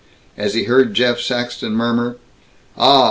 As he heard Jeff Saxton murmur, "Ah.